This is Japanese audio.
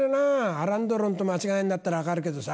アラン・ドロンと間違えんだったら分かるけどさ。